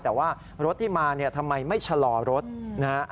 แต่ว่ารถที่มาทำไมไม่ชะลอรถนะ